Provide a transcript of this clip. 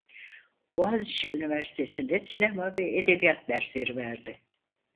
Boğaziçi Üniversitesi'nde sinema ve edebiyat dersleri verdi.